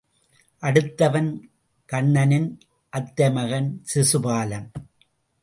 அடுத்தவன் கண்ணனின் அத்தை மகன் சிசுபாலன்.